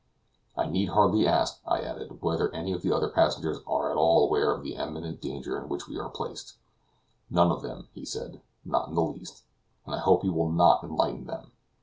"I need hardly ask," I added; "whether any of the other passengers are at all aware of the imminent danger in which we are placed." "None of them," he said; "not in the least; and I hope you will not enlighten them.